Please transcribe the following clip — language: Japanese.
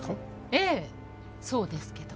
ええそうですけど。